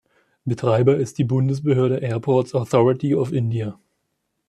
Betreiber ist die Bundesbehörde Airports Authority of India.